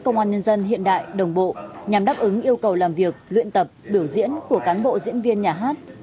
công an nhân dân hiện đại đồng bộ nhằm đáp ứng yêu cầu làm việc luyện tập biểu diễn của cán bộ diễn viên nhà hát